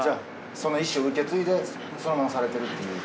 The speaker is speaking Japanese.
その意思を受け継いでそのままされてるっていう。